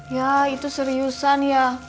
ya itu seriusan ya